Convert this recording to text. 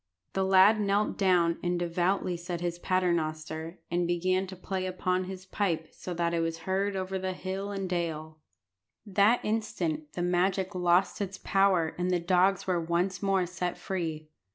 The lad knelt down, and devoutly said his Paternoster, and began to play upon his pipe so that it was heard over hill and dale. That instant the magic lost its power, and the dogs were once more set free.